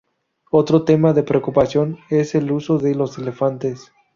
Otro tema de preocupación es el uso de los elefantes.